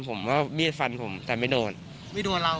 เห็นเหล่านี้ยังไงทำไมถึงดวง